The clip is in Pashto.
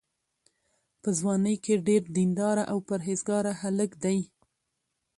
په ځوانۍ کې ډېر دینداره او پرهېزګاره هلک دی.